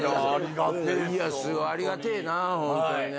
ありがてえなホントにね。